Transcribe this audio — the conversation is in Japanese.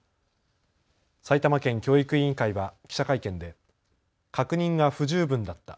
埼玉県教育委員会は記者会見で確認が不十分だった。